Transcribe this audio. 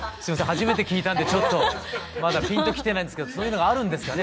初めて聞いたんでちょっとまだピンときてないんですけどそういうのがあるんですかね